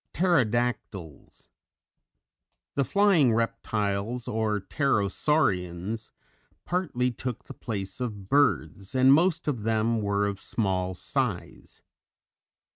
Pterodactyls. The flying Reptiles or Pterosaurians, partly took the place of birds, and most of them were of small size.